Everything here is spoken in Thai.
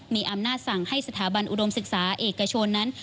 มีอำนาจสั่งให้สถาบันอุดมศึกษาเอกชนนั้น